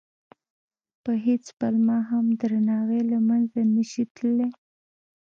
په هېڅ پلمه هم درناوی له منځه نه شي تللی.